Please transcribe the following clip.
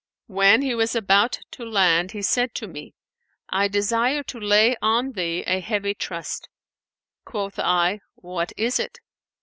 When he was about to land, he said to me, 'I desire to lay on thee a heavy trust.' Quoth I, 'What is it?'